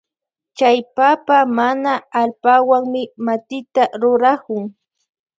Chay papa mana allpawanmi matita rurakun.